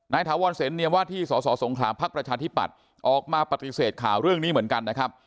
ถาวรเสนเนียมว่าที่สสงขลาภักดิ์ประชาธิปัตย์ออกมาปฏิเสธข่าวเรื่องนี้เหมือนกันนะครับ